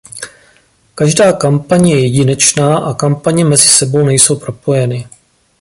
Každá kampaň je jedinečná a kampaně mezi sebou nejsou propojeny.